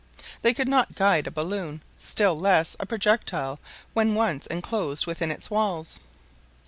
They could not guide a balloon, still less a projectile, when once enclosed within its walls.